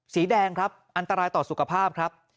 สีแดงครับอันตรายต่อสุขภาพครับ